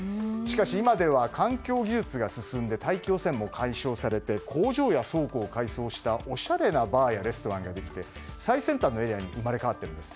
今では環境技術が進んで大気汚染も改善されて工場や倉庫を改装したおしゃれなバーやレストランができて最先端のエリアに生まれ変わっているんです。